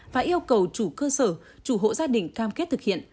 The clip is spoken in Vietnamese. và yêu cầu chủ cơ sở chủ hộ gia đình cam kết thực hiện